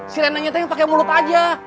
sirenenya teng pake mulut aja